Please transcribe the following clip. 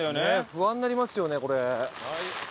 不安になりますよねこれ。